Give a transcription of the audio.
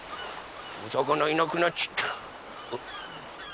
おさかないなくなっちゃった。